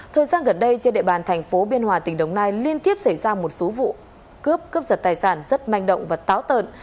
thời gian gần đây trên địa bàn thành phố biên hòa tỉnh đồng nai liên tiếp xảy ra một số vụ cướp cướp giật tài sản rất manh động và táo tợn